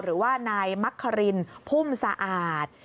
หรือว่านายมักครินพุ่มสะอาด